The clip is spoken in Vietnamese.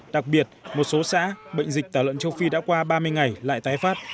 đặc biệt một số xã bệnh dịch tả lợn châu phi đã qua ba mươi ngày lại tái phát